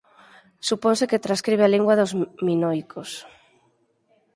Suponse que transcribe a lingua dos minoicos.